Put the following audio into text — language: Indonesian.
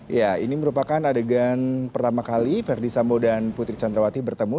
ya ini merupakan adegan pertama kali verdi sambo dan putri candrawati bertemu